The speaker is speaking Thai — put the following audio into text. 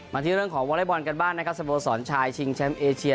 ที่เรื่องของวอเล็กบอลกันบ้างนะครับสโมสรชายชิงแชมป์เอเชีย